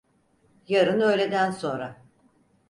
Yarın öğleden sonra.